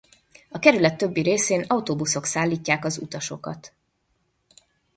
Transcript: A kerület többi részén autóbuszok szállítják az utasokat.